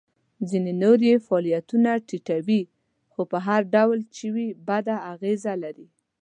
ځینې نور یې فعالیتونه ټیټوي خو په هر ډول چې وي بده اغیزه لري.